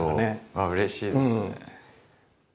あっうれしいですね。